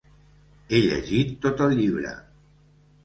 He llegit tot el llibre.